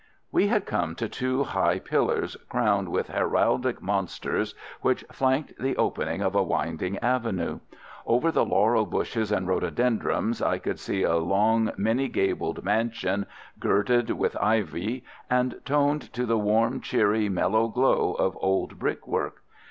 We had come to two high pillars crowned with heraldic monsters which flanked the opening of a winding avenue. Over the laurel bushes and rhododendrons I could see a long, many gabled mansion, girdled with ivy, and toned to the warm, cheery, mellow glow of old brick work.